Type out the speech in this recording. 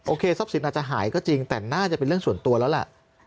ทรัพย์สินอาจจะหายก็จริงแต่น่าจะเป็นเรื่องส่วนตัวแล้วแหละ